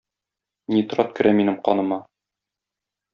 Нитрат керә минем каныма.